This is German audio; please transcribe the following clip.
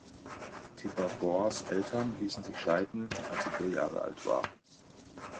Tipper Gores Eltern ließen sich scheiden, als sie vier Jahre alt war.